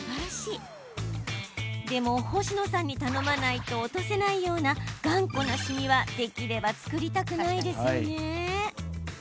でも、星野さんに頼まないと落とせないような頑固な、しみはできれば作りたくないですよね。